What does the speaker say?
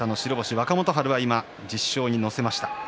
若元春は１０勝に乗せました。